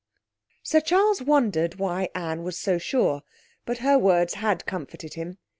Sir Charles wondered why Anne was so sure, but her words had comforted him.